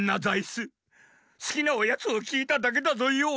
すきなおやつをきいただけだぞよ。